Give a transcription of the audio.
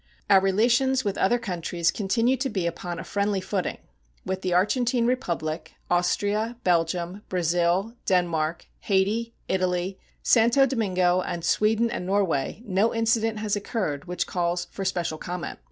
Our relations with other countries continue to be upon a friendly footing. With the Argentine Republic, Austria, Belgium, Brazil, Denmark, Hayti, Italy, Santo Domingo, and Sweden and Norway no incident has occurred which calls for special comment.